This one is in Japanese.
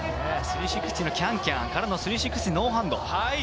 ３６０のキャンキャンからの３６０ノーハンド。